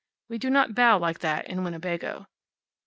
We do not bow like that in Winnebago.